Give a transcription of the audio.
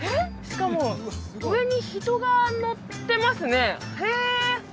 しかも上に人が乗ってますねへえ！